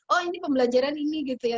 oh ini pembelajaran ini gitu ya